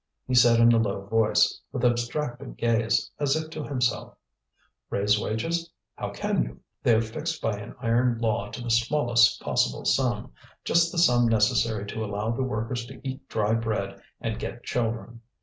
He said in a low voice, with abstracted gaze, as if to himself: "Raise wages how can you? They're fixed by an iron law to the smallest possible sum, just the sum necessary to allow the workers to eat dry bread and get children.